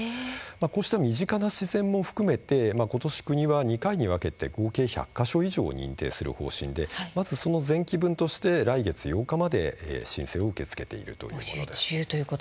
こうした身近な自然も含めて今年、国は２回に分けて合計１００か所以上を認定する方針でまずその前期分として来月８日まで申請を受け付けているんです。